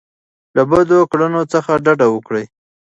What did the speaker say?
له بدو کړنو څخه ډډه وکړئ.